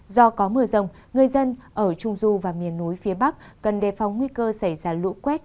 do có mưa rồng người dân ở trung du và miền núi phía bắc cần đề phòng nguy cơ xảy ra lũ quét